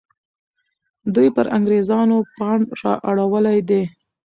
دوی پر انګریزانو پاڼ را اړولی دی.